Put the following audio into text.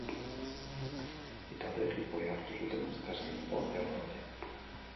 Bi taldeek jipoia hartu zuten asteazkeneko jardunaldian.